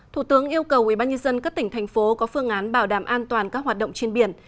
thủ tướng yêu cầu ubnd các tỉnh thành phố có phương án bảo đảm an toàn các hoạt động trên biển